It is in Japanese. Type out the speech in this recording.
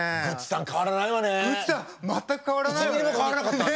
グッチさん変わらないわね。